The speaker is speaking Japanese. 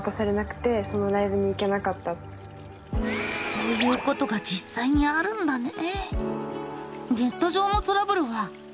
そういうことが実際にあるんだね。